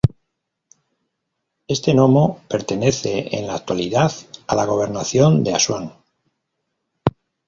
Este nomo pertenece en la actualidad a la gobernación de Asuán.